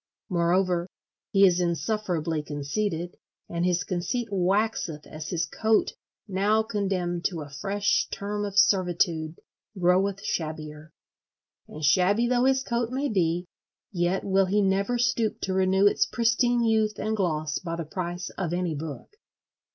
Moreover, he is insufferably conceited, and his conceit waxeth as his coat, now condemned to a fresh term of servitude, groweth shabbier. And shabby though his coat may be, yet will he never stoop to renew its pristine youth and gloss by the price of any book.